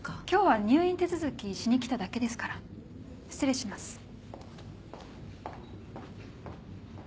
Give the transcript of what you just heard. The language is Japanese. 今日は入院手続きしに来ただけですから。失礼します。